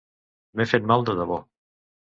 M'he fet mal de debò.